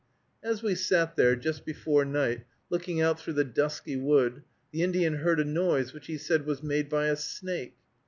As we sat there, just before night, looking out through the dusky wood, the Indian heard a noise which he said was made by a snake.